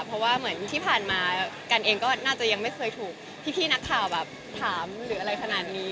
เพราะว่าเหมือนที่ผ่านมากันเองก็น่าจะยังไม่เคยถูกพี่นักข่าวแบบถามหรืออะไรขนาดนี้